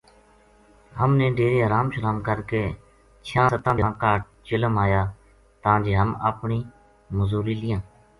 ہم نے ڈیرے ارام شرام کر کے چھیاں ستاں دھیاڑاں کاہڈ چلم آیا تاں جے ہم اپنی مزوری لیاں